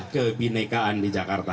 kebinekaan di jakarta